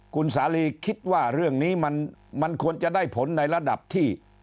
คุณสาลีคิดว่าเรื่องนี้มันควรจะได้ผลในระดับที่